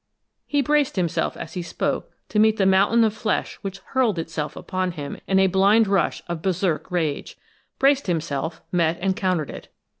He braced himself, as he spoke, to meet the mountain of flesh which hurled itself upon him in a blind rush of Berserk rage braced himself, met and countered it.